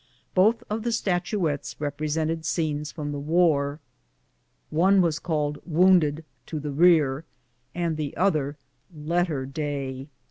Both of the statu ettes represented scenes from the war. One was called '' Wounded to the Eear," the other, " Letter Day."